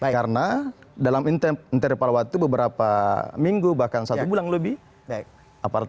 baik karena dalam inter interpal waktu beberapa minggu bahkan satu bulan lebih baik aparat